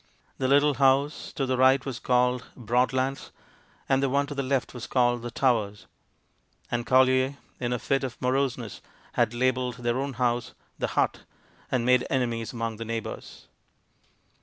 The little house to the right was called "Broadlands," and the one to the left was called "The Towers"; and Colher, in a fit of moroseness, had labelled their own house, "The Hut," and made enemies among the neighbours.